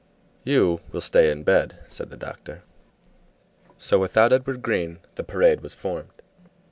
"You will stay in bed," said the doctor. So without Edward Green the parade was formed.